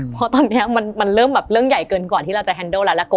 เพราะตอนนี้มันเริ่มแบบเรื่องใหญ่เกินกว่าที่เราจะแฮนโดแล้วและโก